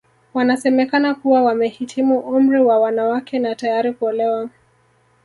Wanasemekana kuwa wamehitimu umri wa wanawake na tayari kuolewa